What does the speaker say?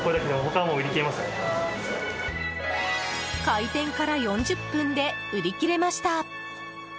開店から４０分で売り切れました。